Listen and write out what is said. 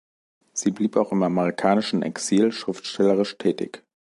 Sie blieb auch im amerikanischen Exil schriftstellerisch tätig.